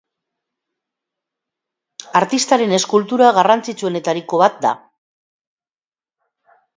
Artistaren eskultura garrantzitsuenetariko bat da.